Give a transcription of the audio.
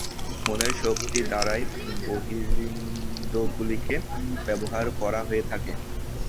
মনের শক্তি দ্বারাই বহিরিন্দ্রিয়গুলিকে ব্যবহার করা হয়ে থাকে।